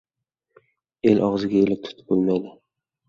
El og‘ziga elak tutib bo‘lmaydi!